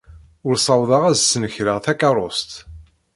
Ur ssawḍeɣ ad snekreɣ takeṛṛust.